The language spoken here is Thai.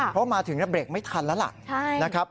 เพราะมาถึงแล้วเบรกไม่ทันแล้วล่ะ